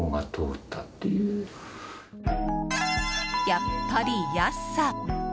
やっぱり、安さ。